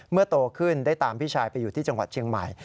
โตขึ้นได้ตามพี่ชายไปอยู่ที่จังหวัดเชียงใหม่